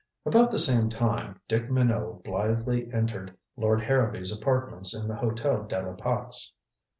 About the same time Dick Minot blithely entered Lord Harrowby's apartments in the Hotel de la Pax.